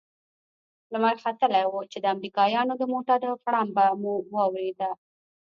لمر ختلى و چې د امريکايانو د موټرو غړمبه مو واورېد.